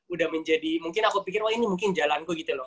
udah menjadi mungkin aku pikir oh ini mungkin jalanku gitu loh